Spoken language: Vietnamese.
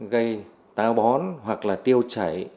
gây táo bón hoặc là tiêu chảy